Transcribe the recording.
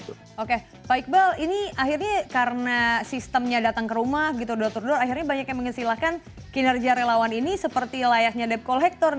oke pak iqbal ini akhirnya karena sistemnya datang ke rumah gitu akhirnya banyak yang mengesilakan kinerja relawan ini seperti layaknya depkolektor